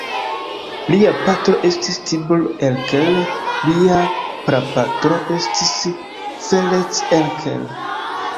Lia patro estis Tibor Erkel, lia prapatro estis Ferenc Erkel.